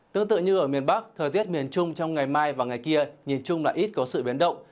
tương tự như ở miền bắc thời tiết miền trung trong ngày mai và ngày kia nhìn chung là ít có sự biến động